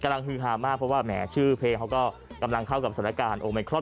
ฮือฮามากเพราะว่าแหมชื่อเพลงเขาก็กำลังเข้ากับสถานการณ์โอไมครอน